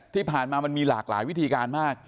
ที่ผ่านมามันมีหลากหลายวิธีการมาก